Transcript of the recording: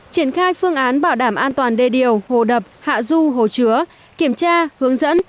triển khai phương án bảo đảm an toàn đê điều hồ đập hạ du hồ chứa kiểm tra hướng dẫn